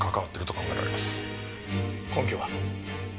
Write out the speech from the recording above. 根拠は？